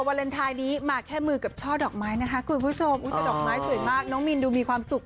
วาเลนไทยนี้มาแค่มือกับช่อดอกไม้นะคะคุณผู้ชมแต่ดอกไม้สวยมากน้องมินดูมีความสุข